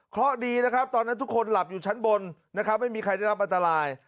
เพราะดีนะครับตอนนั้นทุกคนหลับอยู่ชั้นบนนะครับไม่มีใครได้รับอันตราย